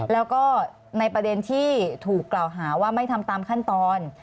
แล้วก็ในประเด็นที่ถูกกล่าวหาว่าไม่ทำตามขั้นตอน